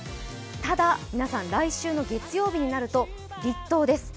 ただ、皆さん、来週の月曜日になると立冬です。